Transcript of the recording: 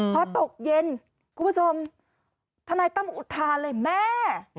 พอตกเย็นคุณผู้ชมทนายตั้มอุทานเลยแม่